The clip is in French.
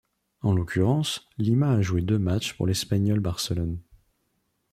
En l'occurrence, Lima a joué deux matchs pour l'Espanyol Barcelone.